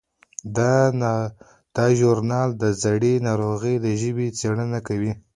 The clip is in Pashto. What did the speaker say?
دا ژورنال د زړې ناروېي ژبې څیړنه کوي.